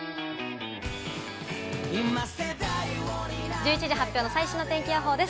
１１時発表の最新の天気予報です。